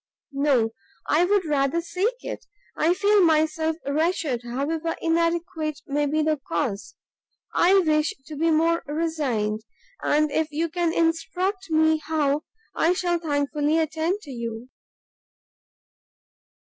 "No, I would rather seek it; I feel myself wretched, however inadequate may be the cause; I wish to be more resigned, and if you can instruct me how, I shall thankfully attend to you."